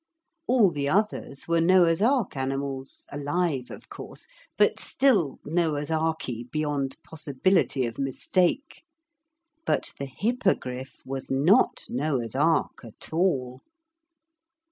All the others were Noah's Ark animals, alive, of course, but still Noah's Arky beyond possibility of mistake. But the Hippogriff was not Noah's Ark at all.